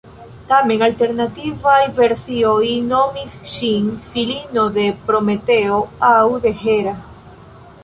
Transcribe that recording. Tamen, alternativaj versioj nomis ŝin filino de Prometeo aŭ de Hera.